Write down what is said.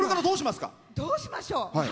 どうしましょう。